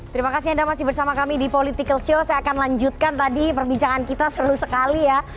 terima kasih anda masih bersama kami di political show saya akan lanjutkan tadi perbincangan kita seru sekali ya